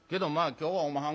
今日はおまはん